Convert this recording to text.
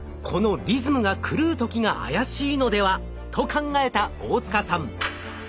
このリズムが狂うときが怪しいのでは？と考えた大塚さん。